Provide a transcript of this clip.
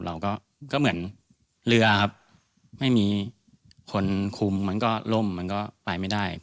เราก็เหมือนเรือครับไม่มีคนคุมมันก็ล่มมันก็ไปไม่ได้